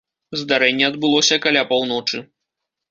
Здарэнне адбылося каля паўночы.